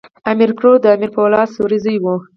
امیر کروړ د امیر پولاد سوري زوی وو.